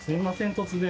突然。